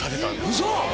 ウソ！